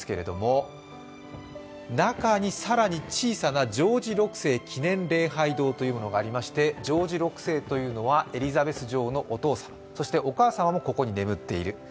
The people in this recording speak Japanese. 中に更に小さなジョージ６世記念礼拝堂というものがありまして、ジョージ６世というのはエリザベス女王のお父さん、そしてお母様もここに眠っている。